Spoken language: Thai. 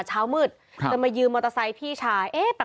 เช้ามืดจะมายืมมอเตอร์ไซค์พี่ชายเอ๊ะ